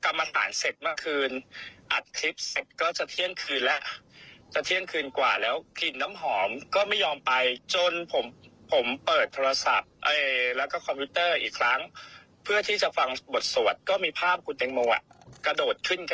เรื่องไหมคะว่ากลิ่นน้ำหอมผู้หญิงนั่นคือกลิ่นของแตงโม